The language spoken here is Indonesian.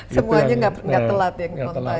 semuanya nggak telat ya